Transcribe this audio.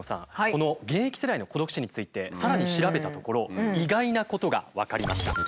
この現役世代の孤独死についてさらに調べたところ意外なことが分かりました。